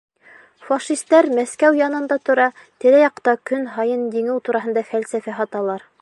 Фашистәр Мәскәү янында тора, тирә-яҡта көн һайын еңеү тураһында фәлсәфә һаталар.